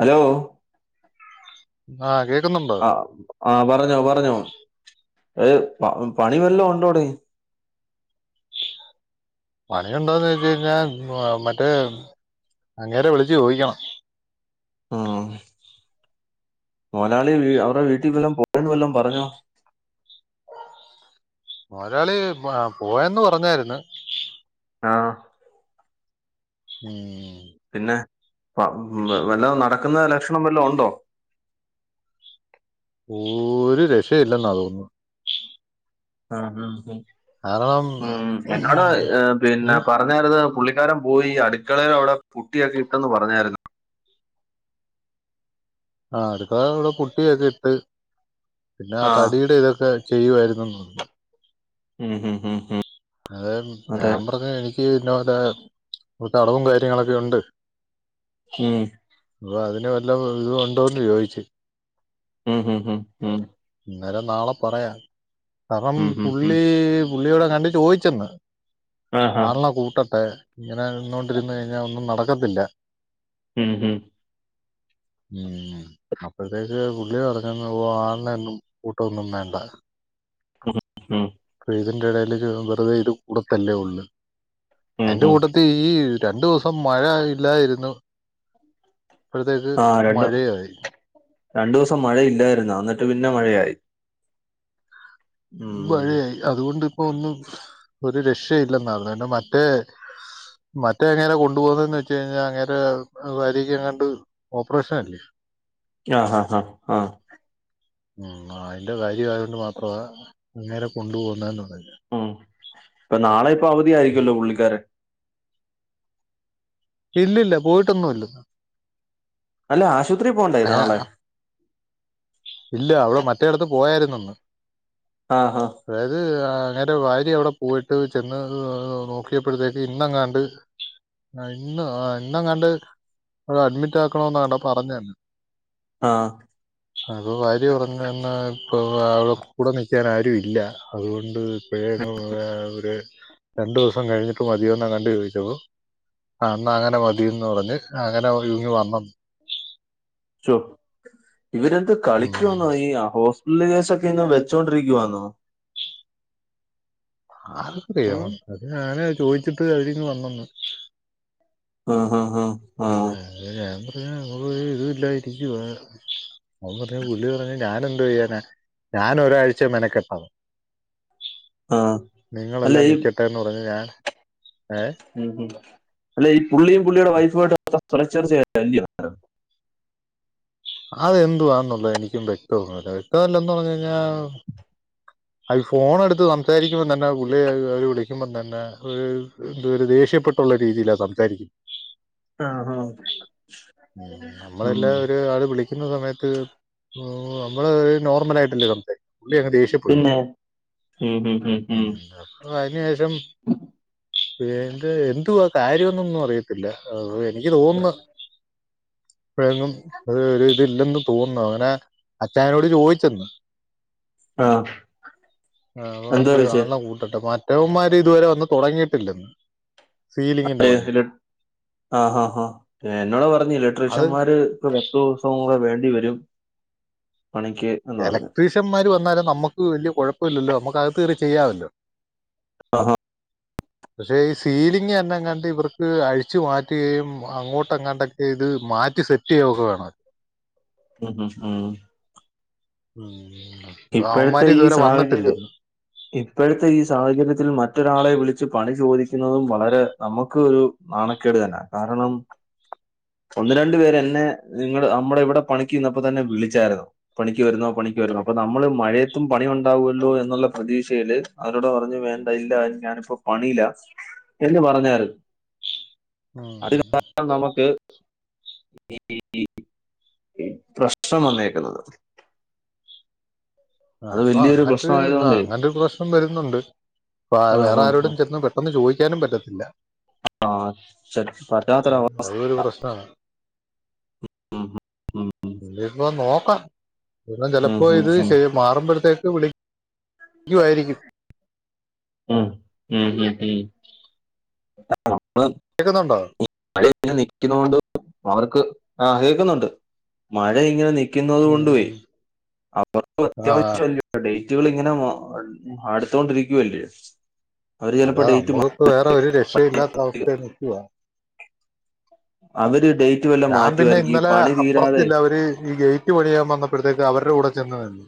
Hello.. ആഹ് കേക്കുന്നുണ്ടോ.? ആഹ് പറഞ്ഞോ പറഞ്ഞോ ഏ പണി വെല്ലോ ഒണ്ടോടെ? പണിയുണ്ടൊന്ന് ചോയ്ച്ച് കഴിഞ്ഞാ മറ്റേ അങ്ങേരെ വിളിച്ച് ചോയ്ക്കണം. മ് മോലാളി വീ അവടെ വീട്ടി വല്ലൊം പോയെന്ന് വല്ലൊം പറഞ്ഞോ.? മൊതലാളി പോയന്ന് പറഞ്ഞായിര്ന്ന് ആഹ് മ് ഹ്.. പിന്നെ വല്ലോം നടക്ക്ന്ന ലകഷ്ണം വല്ലോ ഒണ്ടോ.? ഓര് രക്ഷയു ഇല്ലെന്നാ തോന്നത്. ആഹ് മ് ഉം കാരണം ഉം എന്നോട് പിന്ന ഉം, പ പറഞ്ഞാര്ന്ന് പുള്ളിക്കാരൻ പോയി അടുക്കളെടെ അവ്ടെ പുട്ടിയൊക്കെ ഇട്ടെന്ന് പറഞ്ഞാര്ന്നു. ആ അടുകളെ അവ്ടെ പുട്ടിയൊക്കെ ഇട്ട് പിന്നെ ആ തടിടെ ഇതക്കെ ചെയ്യുുവാരുന്നെന്ന് പറഞ്ഞ്. ഉം ഹ് ഹ് ഹ്. അതെ ഞാൻ പർഞ്ഞ് എനിക്ക് ഇന്ന പോലെ കൊർചടവും കാര്യങ്ങളൊക്കെ ഒണ്ട്. മം വഅതിനു വലിയ ഇതുമുണ്ടോ ചോദിച്ചു. മ് ഹ് ഹ് മ് ഇന്നേരം നാളെ പറയാം കാരണം ഉം, ഉം, ഉം. പുള്ളി പുള്ളിയോടെ കണ്ട ചോയ്ചെന്ന് ആഹാ. ആളിനെ കൂട്ടട്ടെ ഇങ്ങനെ നിന്നോണ്ടിരു കഴിഞ്ഞ ഒന്നും നടക്കത്തില്ല. മം മം മം അപ്പഴത്തേക്ക് പുള്ളി പറഞ്ഞെന്നു ഓ ആളിന ഒന്നും കൂട്ടൊന്നും വേണ്ട. ഉം, ഇതിന്റെ ഇടയില് ഒരു വെറുതെ ഇത് കൂടത്തല്ലേ ഉള്ളു. ഉം, അതിന്റെ ഉം. കുട്ടത്തിൽ ഈ രണ്ട് ദിവസംമഴ ഇല്ലായിരുന്നു. ഇപ്പോഴത്തേക്ക് ആ രണ്ട് മഴയായി. രണ്ടു ദിവസം മഴ ഇല്ലായിരുന്ന അന്നിട്ട് പിന്നെ മഴയായി. ഉം മഴയായി അതുകൊണ്ട് ഇപ്പോ ഒന്നും ഒരു രക്ഷ്യ ഇല്ലെന്നാ മറ്റേ. മറ്റേ അങ്ങേരെ കൊണ്ടു പോകുന്നു, എന്ന് വെച്ച് കഴിഞ്ഞാൽ അങ്ങേരെ ഭാര്യക്ക് എങ്ങാണ്ട്, ഓപ്പറേഷൻ അല്ലെ. ആഹ ഹാ ഹാ ഹ. മം ആയിന്റെ ഭാര്യ ആയതുകൊണ്ട്‌ മാത്രമാ അങ്ങരെ കൊണ്ടുപോകുന്നത് എന്ന് പറയുന്നെ. ഉം പ്പൊ നാളെ ഇപ്പൊ അവധിയാ യിരിക്കുല്ലോ പുള്ളിക്കാരൻ. ഇല്ലില്ല പോയിട്ടൊന്നുമില്ല. അല്ല. ആശുപത്രി പോണ്ടേ അയാ നാളെ? ഇല്ല അവള് മറ്റേ ഇടത്ത് പോയായിരുന്നന്ന്. ആഹ് ഹാ. അതായത് അങ്ങേരെ ഭാര്യ അവിടെ പോയിട്ട് ചെന്ന് നോക്കിയപ്പോഴത്തേക്ക്, ഇന്നങ്ങാണ്ട് ഇന്നോ ഇന്നങ്ങാണ്ട് അവടെ അഡ്മിറ്റ് ആക്കണോന്ന്ങ്ങണ്ടാ പറഞാർന്നു. ആ. അപ്പോ ഭാര്യ പറഞ്ഞു എന്നെ ഇപ്പോ കൂടെ നിൽക്കാൻ ആരുമില്ല, അത് കൊണ്ട് ഏ ഒരു രണ്ടു ദിവസം കഴിഞ്ഞിട്ട് മതിയോ എന്ന കണ്ട് ചോയിച്ചപ്പോ, അന്നാ അങ്ങനെ മതിന്ന് പറഞ്ഞ് അങ്ങനെ ഒരുങ്ങി വന്നന്ന്. ചോ ഇവരെന്ത് ഉം കളിക്കുവെന്ന ആ ഈ ഹോസ് ലേസൊക്കെ ഇന്ന് വെച്ചോണ്ടിരിക്കുവാന്നോ. ആർക്കറിയാം. ഉം ഞാന് ചോദിച്ചിട്ട് അവരിങ്ങ് വന്നന്ന്. ആഹ ഹ ഹാ. ആ പിന്നെ ഞാ പറയാ ഒരു ഇല്ലാതില്ലാതിരിക്കുവാ. അവൻ പറഞ്ഞ് പുള്ളി പറഞ്ഞ് ഞാനെന്തു ചെയ്യാനാ. ഞാനൊരു ആഴ്ച മെനക്കെട്ടോ. ആ അല്ല നിങ്ങളെല്ലാം ഈ നിക്കട്ടെ എന്ന് പറഞ്ഞ ഞാൻ ഏ ഉം ഉം. അല്ല പുള്ളിയും പുള്ളിയുടെ വൈഫും ആയിട്ടു [unintelligible] ചേർച്ചയാണല്ല്യോ? അത എന്തുവാണെന്ന് എനിക്കും വ്യക്തമൊന്നല്ല. വ്യക്തമല്ല എന്ന് പറഞ്ഞ കഴിഞ്ഞാൽ, അത് ഫോൺ എടുത്ത് സംസാരിക്കുമ്പോം തന്നെ, പുള്ളി വിളിക്കുമ്പോം തന്നെ ഏഹ് എന്തൊ രു ദേഷ്യപ്പെട്ട ള്ള രീതിയില സംസാരിക്കു. ആ ഹാ ഉം. നമ്മളെല്ലാം ഒരാൾ വിളിക്കു ന്ന സമയത്ത് നമ്മള് നോർമൽ ആയിട്ടല്ലേ സംസാരിക്കു. പുള്ളി അങ്ങ് ദേഷ്യപ്പെടും. പിന്നെ. ഉം എക അയിനു ശേഷം, [unintelligible] എന്തുവാ കാര്യമന്നൊന്നും അറിയത്തില്ല. എനിക്ക് തോന്നുന്നു എങ്ങും ഒരു ഇതില്ലെന്ന് തോന്നുന്നു. അങ്ങനെ അച്ചായനോട് ചോദിച്ചെന്ന്. ആഹ അ പ ആളാം കൂട്ടട്ടെ. മറ്റവന്മാര് ഇതുവരെ വന്ന് തുടങ്ങിയിട്ടില്ലന്ന്. [unintelligible] ആഹ ഹ എന്നോട് പറഞ്ഞു അത് ഇലക്ട്രീഷ്യന്മാര് [unintelligible] ഒരു ദിവസവും കൂടെ വേണ്ടിവരും പണിക്ക്. എന്ന് പറഞ്ഞു എലക്ട്രീഷ്യന്മാര് വന്നാലും നമുക്ക് വല്യ കുഴപ്പ ഇല്ലല്ലോ. നമുക്ക് അകത്ത് കേറി ചെയ്യാമല്ലോ. ആഹ [inaudible] പക്ഷെ ഈ സീലിംഗ ന്നെങ്ങാണ്ട് ഇവർക്ക് അഴിച്ചു മാറ്റുകയും, അങ്ങോട്ടെ ങ്ങാണ്ടൊക്കെ ഇത് മാറ്റി സെറ്റ് റ്റെയും [unintelligible] ഉ ഉം ഉം. ഉം ഇപ്പോഴത്തെ അവന്മാര് ഈ ഇതുവരെ സാഹചര്യം വന്നിട്ടില്ലെന്ന് ഇപ്പോഴത്തെ ഈ സാഹചര്യത്തിൽ മറ്റൊരാളെ വിളിച്ച് പണി ചോദിക്കുന്നതും, വളരെ നമുക്ക് ഒരു നാണക്കേട് തന്നാ. കാരണം [inaudible] ഒന്ന് രണ്ടു പേര് എന്നെ നിങ്ങ നമ്മുടെ ഇവിടെ പണിക്ക് നിന്നപ്പോ തന്നെ വിളിച്ചായിരുന്നു പണിക്ക് വരുന്നോ പണിക്ക് വരുന്നോ പ്പോ നമ്മള് മഴയത്തും പണിയുണ്ടാവല്ലോ എന്നുള്ള പ്രതീക്ഷയില് അവരോട് പറഞ്ഞു വേണ്ട ഇല്ല ഞാനിപ്പം പണില്ല എന്ന് പറഞ്ഞാറ് അത് കാരണം നമുക്ക് ഇ ഇ ഇ ഇപ്രശ്നം വന്നേക്കുന്നത് ആഹ് അത് ഇപ്പൊ വലിയൊരു അങ്ങനത്തെ ആഹ് പ്രശ്നമായതുകൊണ്ടേ. അങ്ങനത്തെരു പ്രശ്നം വരുന്നുണ്ട് പ്പൊ വേറെ ആഹ്. ആഹ്. ആരോടും ചെന്ന് പെട്ട ഒന്ന് ചോയിക്കാനും പറ്റത്തില്ല ആഹ് ച അതൊരു പറ്റാത്തൊരവസ്ഥ പ്രശ്നം ഇല്ലപ്പ നോക്കാ പി ചിലപ്പോ മ്ഹ്. ഇത് മ്ഹ്. ചെയ മാറുമ്പോഴത്തേക്ക് വിളി ക്കുവായിരിക്കും [inaudible] ഉം ഉം ഉം ഉം അ നമ്മള് കേക്കുന്നുണ്ടോ മഴ ഇങ്ങനെ നിക്കണോണ്ട് അവർക്ക് ആഹ് കേക്കുന്നുണ്ട് മഴ ഇങ്ങനെ നി ക്കിന്നത് ഉം കൊണ്ട് പോയി ഉം അവർക്ക ആ അത്യാവശ്യല്ല ഡേറ്റുകൾ ഇങ്ങനെ അടുത്തൊണ്ടിരിക്കുവല്ലേ അതാ നമുക്ക് വേറെ ഒരു രക്ഷ ഇല്ലാത്ത മാറ്റി അവസ്ഥയിനിക്കുവാ അവര് ഡേയ് ഞാ പിന്നെ ഇന്നലെ അപ്പുറത്തില്ല അവര് ഈ ഗേറ്റ് പണിയാൻ വന്നപ്പോഴത്തേക്ക് അവരുടെ കൂടെ ചെന്ന് നിന്നു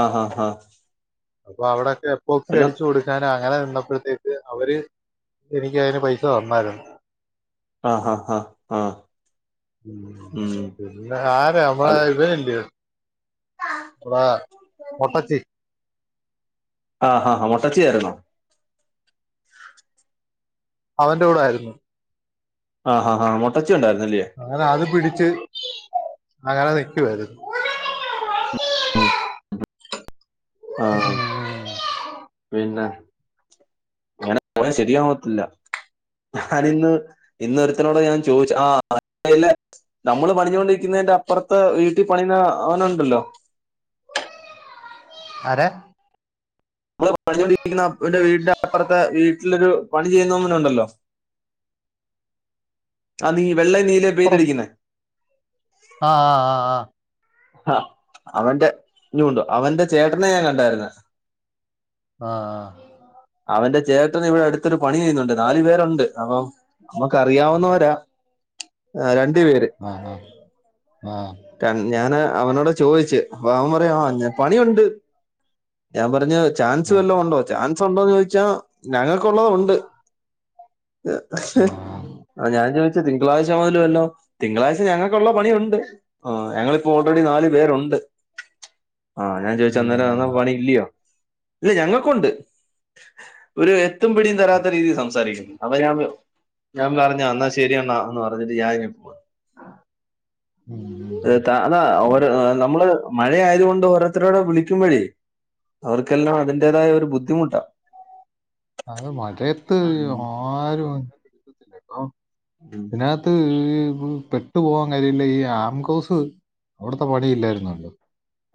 ആഹ് ഹഹ അപ്പൊ അവിടെക്കെ എപ്പോക്സി അടിച്ചു കൊടു ഞാൻ അങ്ങനെ വന്നപ്പോഴത്തേക്ക് അവര് എനിക്ക് അയിന് പൈസ തന്നായിരുന്നു ആഹ് ഹ ഹ ആഹ് ഉം പിന്നെ ആര നമ്മള അത് ഇവനില്ലയോ [unintelligible] മൊട്ടച്ചി അ ആഹ് മൊട്ടച്ചി ആരുന്നോ അവന്റെ കൂടെ ആരുന്നു അ ഹാ ഹാ മൊട്ടച്ചി ഉണ്ടായിരുന്നില്ലേ അങ്ങന അത് പിടിച്ച് അങ്ങന നിക്കുവാരുന്നു ആഹ് ഉം. പിന്നെ ഇങ്ങനെ പോയ ശരിയാവത്തില്ല ഞാനിന്ന് ഇന്നൊരുത്തനോട് ഞാൻ ചോദിച്ചു ആഹ് [unintelligible] ല്ലെ നമ്മള് പണിഞ്ഞൊണ്ടിരിക്കുന്നെന്റെ അപ്പറത്ത് വീട്ടിൽ പണിയുന്ന അവനുണ്ടല്ലോ ആരെ നമ്മള് പണിഞ്ഞൊണ്ടിരിക്കണ വീടിന്റെ അപ്പറത്തെ വീട്ടിലൊരു പണി ചെയ്യുന്നവനുണ്ടല്ലോ [inaudible] ആഹ് നീ വെള്ളെ നീലെ അ ആഹ് ആഹ് അ ആഹ് അവന്റെ ഇനുണ്ടു അവന്റെ ചേട്ടനെ ഞാൻ കണ്ടായിര്ന്ന് അ ആഹ് അവന്റെ ചേട്ടന് ഇവിടെ അടുത്തൊരു പണി ചെയ്യുന്നുണ്ട്. നാലു പേരുണ്ട്. അപ്പം നമ്മുക്കറിയാവുന്നവരാ രണ്ടു പേര് അ ആഹ് ആഹ് ഞാന് അവനോട് ചോയിച്ച്. അപ്പ അവൻ പറയാൻ പണിയുണ്ട്. ഞാൻ പറഞ്ഞ് ചാൻസ് ആഹ് വല്ലോം ഉണ്ടോ ചാൻസ് ഉണ്ടോന്ന്. ചോദിച്ചാ ഞങ്ങൾക്കുള്ളത് ഉണ്ട്. [unintelligible] ആഹ് ആഹ് ഞാൻ ചോദിച്ച് തിങ്കളാഴ്ച മുതല് വല്ലോ തിങ്കളാഴ്ച ഞങ്ങൾക്കുള്ള പണിയുണ്ട്. ആന് ഞങ്ങളിപ്പോ ഓൾറെഡി നാല് പേരുണ്ട്. ആഹ് ഞാൻ ചോദിച്ച അന്നേരം ഉം അന്ന പണി ഇല്ലയോ? ഇത് ഞങ്ങക്കുണ്ട്. ഒരു എത്തും പിടിയും തരാത്ത രീതിയിൽ സംസാരിക്ക് ന്ന് അപ്പോ ഞാനൊ ഞാൻ പറഞ്ഞാ ശരിയന്നാ പറഞ്ഞിട്ട് ഞാനിങ്ങ് പോന്ന്. അഹ് താ താ ഓ നമ്മള് മഴ ആയതുകൊണ്ട് ഓരോരുത്തരോടെ വിളിക്കുംമ്പഴേ. അവർക്കെല്ലാം അതിന്റേതായ ഒരു ബുദ്ധിമുട്ടാ. അത് മഴയത്ത് ആഹ് ആരും [unintelligible] ത്ത് ഈ പെട്ടു പോകാൻ കര്യ ഇല്ലെങ്കി ഈ ആംകോസ് അവിടുത്തെ പണി ഇല്ലായിരുന്നല്ലോ.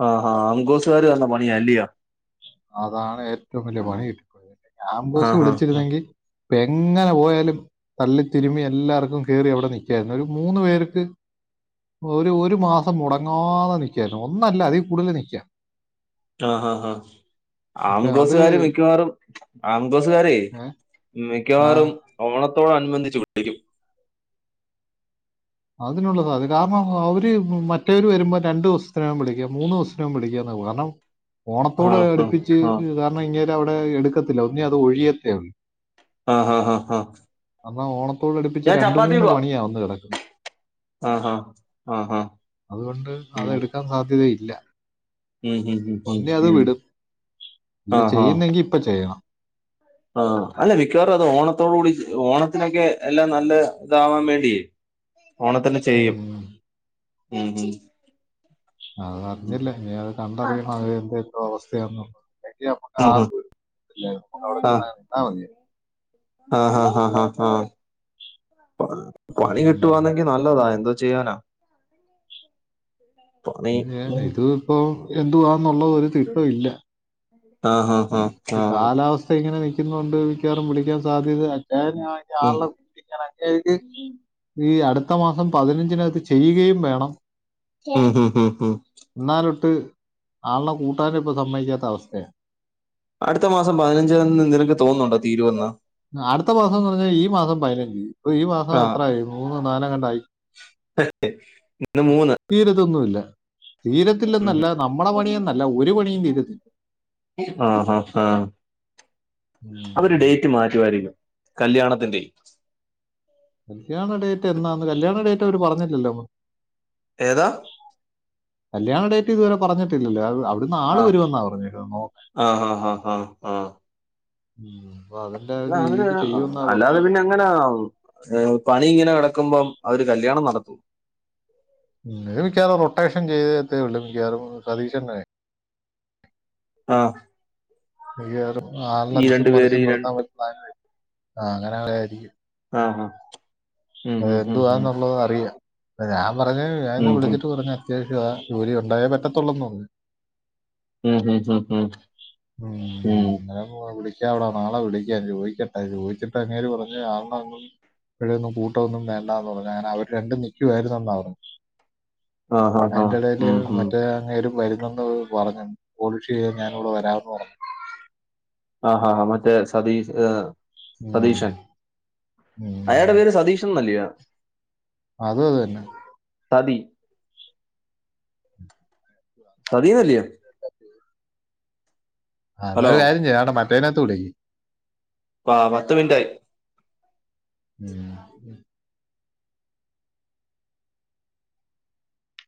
ആഹ് ആഹ് ആങ്കോസുകാര് വന്ന പണിയാ അല്ലെയോ. അതാണ് ഏറ്റവും വല്യ പണികിട്ടി പോയത് ആംങ്കോസ് ആഹ് ആഹ് വിളിച്ചിരുന്നെങ്കി. പ്പെങ്ങനെ പോയാലും തള്ളിത്തിതിരിമ്മി എല്ലാവർക്കും കേറി അവിടെ നിക്ക്യാര്ന്നു. ഒരു മൂന്ന് പേര്ക്ക്. ഒരു ഒരു മാസം മുടങ്ങാതെ നിക്ക്യായിരുന്നു. ഒന്നല്ല അതിൽ കൂടുതല് നിക്കാ ആഹ് ആഹ് ഹാ ആം പക്ഷെ അത് കോസുകാര് മിക്ക്യവാറും ആംകോസുകാരെ ഏഹ് ആഹ് മിക്ക്യവാറും ഓണത്തോടനുബന്ധിച്ച് കൊണ്ടിരിക്കും. അതിനുള്ള സാധ്യത കാരണം അവര് മറ്റവര് വരുമ്പോ രണ്ട് ദിവസത്തിനേകും വിളിക്കും മൂന്ന് ദിവസത്തിനകം വിളിക്ക ന്ന കാര്ണം ആ ഓണത്തോടെ ആ അടുപ്പിച്ച് ആ കാര്ണം ഇങ്ങേര അവിടെ എടുക്കത്തില്ല ഒന്നേ അത് ഒഴിയത്തേ ഒള്ളൂ. ആഹ് ഹ ആഹ് ആഹ് എന്നാ ഓണത്തോട് അടുപ്പിച്ച് രണ്ട മൂന്ന് പണിയാ വന്ന് കെടക്കുന്ന ആഹ് ആഹ് ആഹ് ആഹ് അതുകൊണ്ട് അത് എടുക്കാൻ സാധ്യതയില്ല. ഉം, ഉം, ഉം, ഉം, ഒന്നെ അത് ഉം. വിടും. ഇല്ലെ ചെയ്യുന്നെങ്കി ഇപ്പ ചെയ്യണം. ആഹ് അല്ല മിക്ക്യവാറും അത് ഓണത്തോടു കൂടി ഓണത്തിനൊക്കെ എല്ലാം നല്ല ഇതാവാൻ വേണ്ടിയേ. ഓണത്തിന്ന് ചെയ്യും ഉം. ഉം. അത് ഉം, അറിഞ്ഞില്ലെ. ഇഞ്ഞ് അത് കണ്ടറിയണം അത് എന്തെന്തോ അവസ്ഥയാന്നു. എഹ് നമ്മുക്ക് ഉം, ഉം. ആർക്കും തില്ലായിരുന്നു അവിടെ ചെന്ന എന്താ മതി [unintelligible] ആഹ് ഹാ ആഹ് ഹാ ആഹ് പണി ഉം. കിട്ടുകവാന്നെങ്കി നല്ലതാ ഉം. എന്ത് ചെയ്യാനാ. [inaudible] അങ്ങ ഉം. [unintelligible] ഇത് ഇപ്പോ എന്തുവാന്നുള്ള ഒരു തിട്ടൊ ഇല്ല ആഹ് അഹ് ഉം കാലാവസ്ഥ ഇങ്ങനെ നിൽക്കുന്നുണ്ട് മിക്ക്യവറും വിളിക്കാൻ സാധ്യത അച് [unintelligible] ഉം, ആളെ [unintelligible] ഇങ്ങനെ [unintelligible] ല്ലെങ്കിൽ ഈ അടുത്ത മാസം പതിനഞ്ചിനകത്ത് ചെയ്യുകയും വേണം. ഉം ഉം ഉം ഉം എന്നാലൊട്ട് ആളെ കൂട്ടാര് ഇപ്പോ സമ്മയ്ക്കാത്ത അവസ്ഥയാ. അടുത്ത മാസം പതിനഞ്ച് നിനക്ക് തോന്നുന്നുണ്ടോ തീരോവെന്ന്. അടുത്ത മാസംന്ന് പറഞ്ഞാ ഈ മാസം പയ്നഞ്ച്. ഇപ്പൊ ഈ മാസം ആ എത്രായി മൂന്ന് നാലാം കണ്ട ആയി. [unintelligible] ഇന്ന് മൂന്ന്. തീരതൊന്നുല്ല തീരത്ത് ഉം. ത്തില്ലെന്നല്ല നമ്മളെ പണിയൊന്നല്ല ഒരു പണിയും തീരത്തി ആ ഹാ ഹാ ഉം റ്റുമായിരിക്കും കല്യാണത്തിന്റെ. കല്യാണ ഡേറ്റ് എന്നാന്ന് കല്യാണ ഡേറ്റ് അവര് പറഞ്ഞില്ലല്ലോ [unintelligible] ഏതാ കല്ല്യാണ ഡേറ്റ് ഇതുവരെ പറഞ്ഞിട്ടില്ലല്ലോ. അ അവിടുന്ന് ആള് വരുമെന്നാ പറഞ്ഞ്നോ [unintelligible] ആഹ് ആഹ് ആഹ് ആഹ് ആഹ ഉം അപ്പൊ അതിന്റെ ആ അല്ല ഒരു അവര് രീതിക്ക് ചെയ്യുമെന്നാ അല്ലാതെ പറഞ്ഞേക്കുന്നത് പിന്നെ എ ങ്ങനാ പണി ഇങ്ങനെ കെടക്കുമ്പം അവര് കല്യാണം നടത്തും വിരമിക്കാന്ള്ള റൊട്ടേഷൻ ചേയ്തതേ ഒള്ളൂ മിക്ക്യവാറും സതീഷ്ന്റെ. ആഹ് ഇയേറും നാളെ വിഷും രണ്ട് പേര് മറിച്ചും ഈ രണ്ട് നിർത്താൻ പറ്റുന്ന ആഹ് അങ്ങനെ ആളെ ആയിരിക്കും ആഹ് അഹ് അത് എന്തുവാ എന്നുള്ളത് അറിയാം ഞാൻ പറഞ്ഞത് ഞാൻ ഇന്ന് ഉം ഹും. വിളിച്ചിട്ട് പറഞ്ഞ് അത്യാവശ്യവാ ജോലി ഉണ്ടായേ പറ്റത്തുള്ളൂന്ന് പറഞ്ഞു ഉം ഉം ഉംഉം ഓ വിളിക്കാവട നളെ വിളിക്കാം ചോയി ക്കട്ടെ, ചോദിച്ചിട്ട് അങ്ങേര് പറഞ്ഞ് ആളിനെ ഒന്നും ഇപ്പയൊന്നും കൂട്ട് ഒന്നും വേണ്ടാന്ന് പറഞ്ഞു അങ്ങനെ അവര് രണ്ടും നി ക്കായിരുന്നു എന്നാ പറഞ്ഞു ആ ഹാ ഹാ അയിന്റെ ഇടയില് ഉം ഹും. മറ്റേ അങ്ങേരും വരുന്നെന്ന് പറഞഞ്ഞെന്ന് പോളിഷ് ചെയ്യാൻ ഞാനൂടെ വരാമെന്ന് പറഞ്ഞു ആഹ് ആഹ് മറ്റേ സതീ സതീഷൻ ഉം, ഉം. അയാള്ടെ പേര് സതീഷ് ത്തും മല്ലിയാ അത് അതന്നെ തതി സതീവല്ലിയൊ ആ ഹലോ. എന്നൊരു കാര്യം ചെയ്യ് മറ്റേനകത്ത് വിളിക്ക്‌ ആ പത്ത് മിനിറ്റ് ആയി ഉം